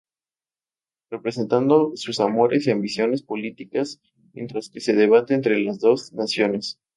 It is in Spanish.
Representando sus amores y ambiciones políticas mientras se debate entre las dos naciones.